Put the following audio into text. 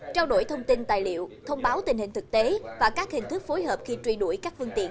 trao đổi thông tin tài liệu thông báo tình hình thực tế và các hình thức phối hợp khi truy đuổi các vương tiện